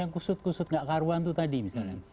yang kusut kusut tidak kearuhan itu tadi misalnya